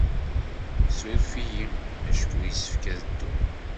Ssuref-iyi acku yessefk ad dduɣ.